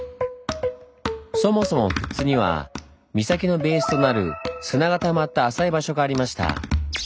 そもそも富津には岬のベースとなる砂がたまった浅い場所がありました。